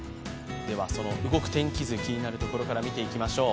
その動く天気図、気になるところから見てみましょう。